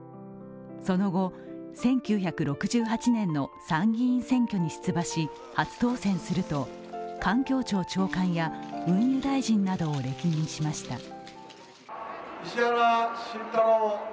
その後、１９６８年の参議院選挙に出馬し初当選すると環境庁長官や運輸大臣などを歴任しました。